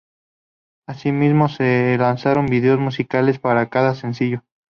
Así mismo se lanzaron vídeos musicales para cada sencillo.